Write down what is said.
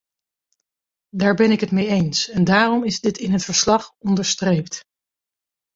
Daar ben ik het mee eens, en daarom is dit in het verslag onderstreept.